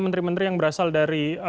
menteri menteri yang berasal dari